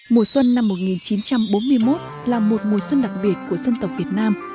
mùa xuân năm một nghìn chín trăm bốn mươi một là một mùa xuân đặc biệt của dân tộc việt nam